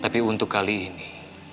tapi untuk kali ini